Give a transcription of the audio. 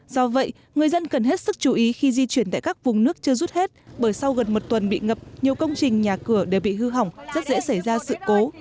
do vậy người dân cần hết sức chú ý khi di chuyển tại các vùng nước chưa rút hết bởi sau gần một tuần bị ngập nhiều công trình nhà cửa đều bị hư hỏng rất dễ xảy ra sự cố